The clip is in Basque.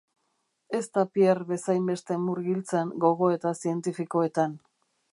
Ez da Pierre bezainbeste murgiltzen gogoeta zientifikoetan.